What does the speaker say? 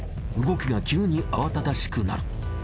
動きが急に慌ただしくなる。